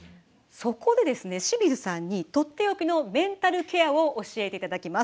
そこで清水さんにとっておきのメンタルケアを教えていただきます。